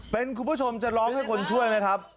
เป็นคุณผู้ชมจะร้องให้คนช่วยไหมครับ